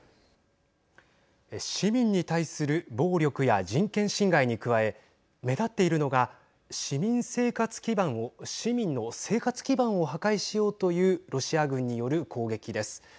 市民に対する暴力や人権侵害に加え目立っているのが市民の生活基盤を破壊しようというロシア軍による攻撃です。